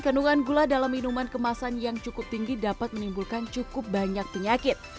kandungan gula dalam minuman kemasan yang cukup tinggi dapat menimbulkan cukup banyak penyakit